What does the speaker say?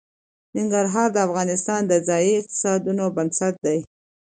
ننګرهار د افغانستان د ځایي اقتصادونو بنسټ دی.